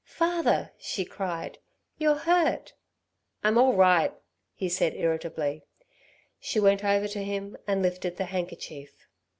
"Father," she cried, "you're hurt." "I'm all right," he said irritably. She went over to him and lifted the handkerchief.